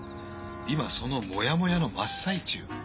今そのモヤモヤの真っ最中。